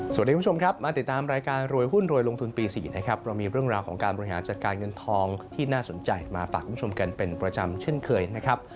คุณผู้ชมครับมาติดตามรายการรวยหุ้นรวยลงทุนปี๔นะครับเรามีเรื่องราวของการบริหารจัดการเงินทองที่น่าสนใจมาฝากคุณผู้ชมกันเป็นประจำเช่นเคยนะครับ